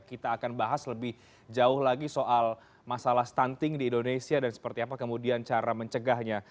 kita akan bahas lebih jauh lagi soal masalah stunting di indonesia dan seperti apa kemudian cara mencegahnya